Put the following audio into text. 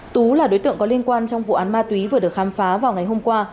tú là đối tượng có liên quan trong vụ án ma túy vừa được khám phá vào ngày hôm qua